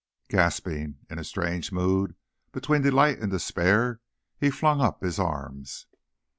Gasping in a strange mood between delight and despair, he flung up his arms.